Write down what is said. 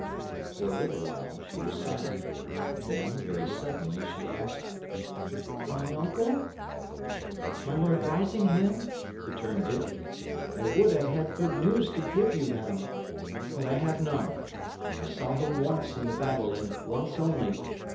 For a little while she was silent. Then, very suddenly, she asked: "My uncle?" "My Lord Risingham?" returned Dick. "I would I had good news to give you, madam; but I have none. I saw him once in the battle, and once only.